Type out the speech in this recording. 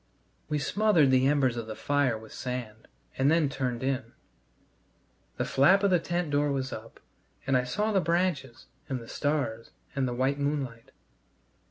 We smothered the embers of the fire with sand, and then turned in. The flap of the tent door was up, and I saw the branches and the stars and the white moonlight.